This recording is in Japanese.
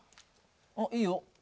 おっいいよ。